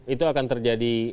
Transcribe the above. itu akan terjadi